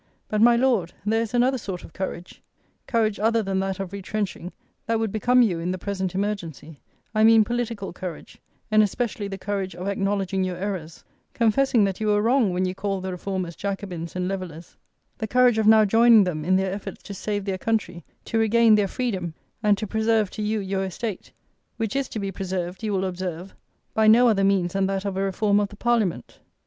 But, my Lord, there is another sort of courage; courage other than that of retrenching, that would become you in the present emergency: I mean political courage, and especially the courage of acknowledging your errors; confessing that you were wrong when you called the reformers Jacobins and levellers; the courage of now joining them in their efforts to save their country, to regain their freedom, and to preserve to you your estate, which is to be preserved, you will observe, by no other means than that of a Reform of the Parliament.